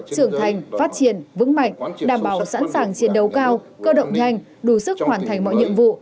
trưởng thành phát triển vững mạnh đảm bảo sẵn sàng chiến đấu cao cơ động nhanh đủ sức hoàn thành mọi nhiệm vụ